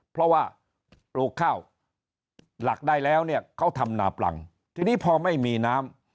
เพราะว่าปลูกข้าวหลักได้แล้วเนี่ยเขาทำนาปลังทีนี้พอไม่มีน้ำ